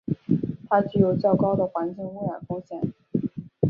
它具有较高的环境污染风险。